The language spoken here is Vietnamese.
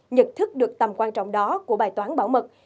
nhận thức được tầm quan trọng đó của bài toán bảo mật